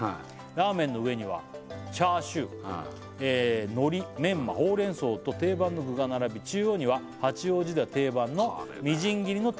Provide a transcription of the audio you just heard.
「ラーメンの上にはチャーシュー」「海苔メンマほうれん草と定番の具が並び」「中央には八王子では定番のみじん切りの」